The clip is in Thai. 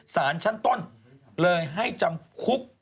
สารชั้นต้นเลยให้จำคุก